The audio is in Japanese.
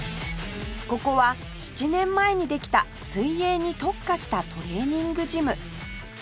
ここは７年前にできた水泳に特化したトレーニングジム